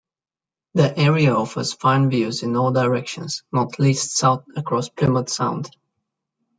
The area offers fine views in all directions, not least south across Plymouth Sound.